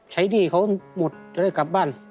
ใช้ดีเขาหมดจะได้กลับบ้าน